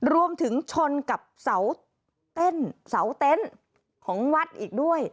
รวมถึงชนกับเสาเต้นของวัดอีกด้วย